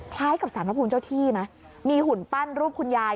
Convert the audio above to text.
คล้ายกับสารพระภูมิเจ้าที่ไหมมีหุ่นปั้นรูปคุณยาย